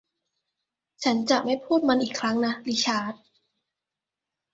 ฉันจะไม่พูดมันอีกครั้งนะริชาร์ด